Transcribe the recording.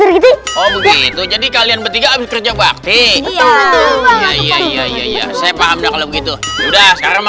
oh begitu jadi kalian bertiga kerja bakti iya iya iya iya iya saya paham kalau begitu udah sekarang